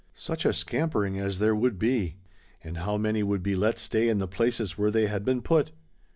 Such a scampering as there would be! And how many would be let stay in the places where they had been put?